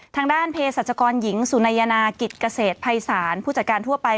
ทางด้านเพศรัชกรหญิงสุนัยนากิจเกษตรภัยศาลผู้จัดการทั่วไป